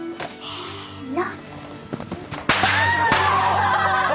せの。